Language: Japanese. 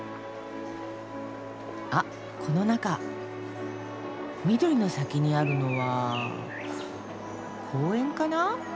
あっこの中緑の先にあるのは公園かな？